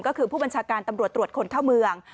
ก็คือผู้บัญชาการตำรวจตรวจคนเข้าเมือง